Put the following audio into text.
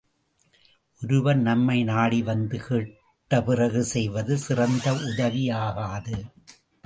ஒருவர் நம்மை நாடி வந்து கேட்டபிறகு செய்வது சிறந்த உதவியாகாது.